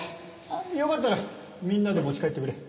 よかったらみんなで持ち帰ってくれ。